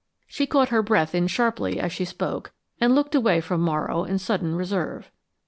She caught her breath in sharply as she spoke, and looked away from Morrow in sudden reserve.